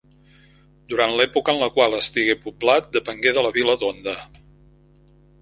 Durant l'època en la qual estigué poblat, depengué de la vila d'Onda.